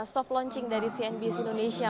soft launching dari cnbc indonesia